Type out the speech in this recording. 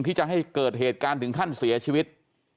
ที่จะให้เกิดเหตุการณ์ถึงขั้นเสียชีวิต